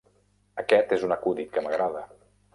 Aquest és un acudit que m'agrada.